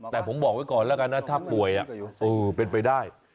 แต่ผมบอกไว้ก่อนแล้วกันนะถ้าป่วยเป็นไปได้